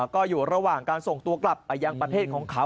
ก็อยู่ระหว่างการส่งตัวกลับไปยังประเทศของเขา